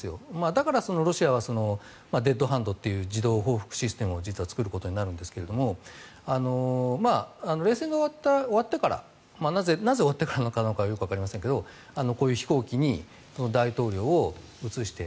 だからロシアは自動報復システムを実は作ることになるんですが冷戦が終わってからなぜ終わってからなのかはよくわかりませんがこういう飛行機に大統領を移して。